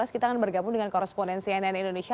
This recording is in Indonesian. kita akan bergabung dengan koresponen cnn indonesia